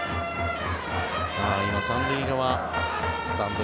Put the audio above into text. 今、３塁側スタンド